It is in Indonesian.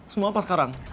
semua apa sekarang